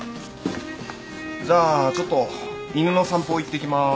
じゃあちょっと犬の散歩行ってきまーす。